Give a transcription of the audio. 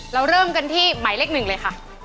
เราเริ่มกันที่หมายเลขหนึ่งเลยค่ะ